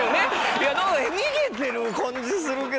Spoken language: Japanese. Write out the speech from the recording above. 逃げてる感じするけど。